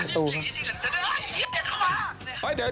เฮ้ยเหี้ยเข้ามา